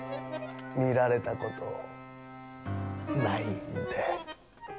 見られたことないんで。